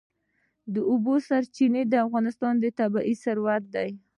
د اوبو سرچینې د افغانستان طبعي ثروت دی.